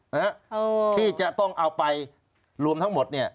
ที่จะต้องเอาไปรวมทั้งหมดเนี่ย